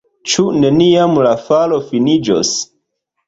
Ĉu neniam la falo finiĝos?